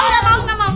nggak mau nggak mau